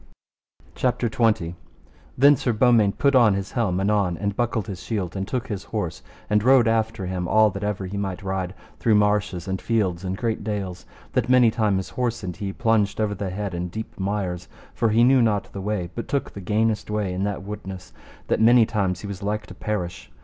CHAPTER XX. How Sir Beaumains rode after to rescue his dwarf, and came into the castle where he was. Then Sir Beaumains put on his helm anon, and buckled his shield, and took his horse, and rode after him all that ever he might ride through marshes, and fields, and great dales, that many times his horse and he plunged over the head in deep mires, for he knew not the way, but took the gainest way in that woodness, that many times he was like to perish.